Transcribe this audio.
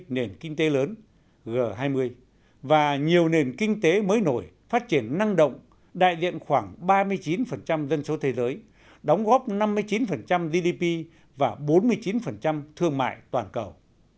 nền kinh tế lớn g hai mươi và nhiều nền kinh tế mới nổi phát triển năng động đại diện khoảng ba mươi chín dân số thế giới đóng góp năm mươi chín gdp và bốn mươi chín thương mại toàn cầu